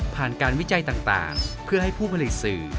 ผ่านการวิจัยต่างเพื่อให้ผู้ผลิตสื่อ